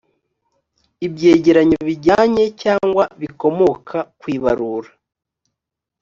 ibyegeranyo bijyanye cyangwa bikomoka ku ibarura